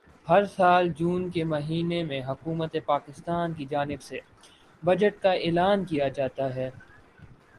ہر سال جون کے مہینے میں حکومت پاکستان کی جانب سے بجٹ کا اعلان کیا جاتا ہے